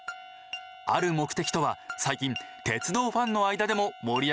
ある目的とは最近鉄道ファンの間でも盛り上がっているあの話題です。